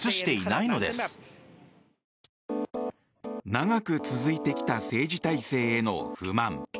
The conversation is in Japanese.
長く続いてきた政治体制への不満。